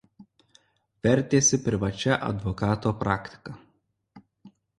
Vertėsi privačia advokato praktika.